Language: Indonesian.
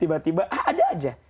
tiba tiba ada aja